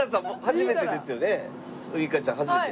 ウイカちゃん初めて？